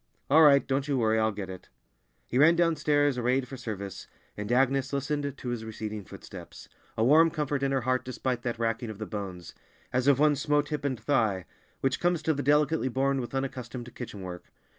"All right! Don't you worry, I'll get it." He ran downstairs, arrayed for service, and Agnes listened to his receding footsteps, a warm comfort in her heart despite that racking of the bones, as of one "smote hip and thigh," which comes to the delicately born with unaccustomed kitchen work.